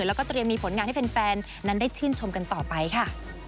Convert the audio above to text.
แล้วก็เตรียมมีผลงานให้แฟนนั้นได้ชื่นชมกันต่อไปค่ะ